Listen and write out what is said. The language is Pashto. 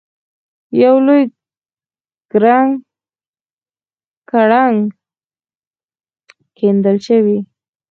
یو لوی کړنګ کیندل شوی.